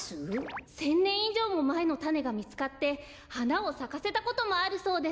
１，０００ねんいじょうもまえのたねがみつかってはなをさかせたこともあるそうです。